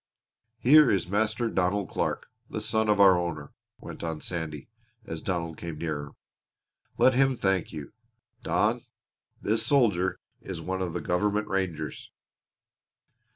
Here is Master Donald Clark, the son of our owner," went on Sandy, as Donald came nearer. "Let him thank you. Don, this soldier is one of the government rangers."